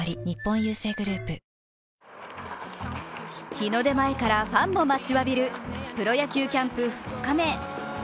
日の出前からファンも待ちわびるプロ野球キャンプ２日目。